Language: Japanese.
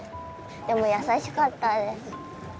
でも優しかったですナダル。